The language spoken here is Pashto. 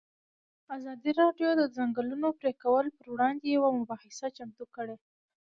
ازادي راډیو د د ځنګلونو پرېکول پر وړاندې یوه مباحثه چمتو کړې.